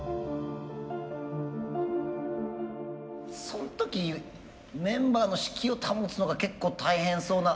その時メンバーの士気を保つのが結構大変そうな。